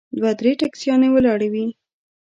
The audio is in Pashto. دوه درې ټیکسیانې ولاړې وې.